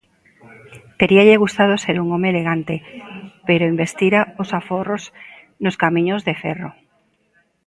Teríalle gustado ser un home elegante, pero investira os aforros nos camiños de ferro.